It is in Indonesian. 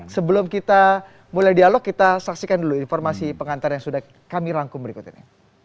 sebelum kita mulai dialog kita saksikan dulu informasi pengantar yang sudah kami rangkum berikut ini